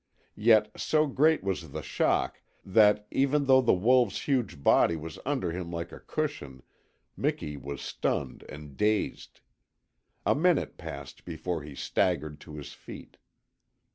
Yet so great was the shock, that, even though the wolf's huge body was under him like a cushion, Miki was stunned and dazed. A minute passed before he staggered to his feet.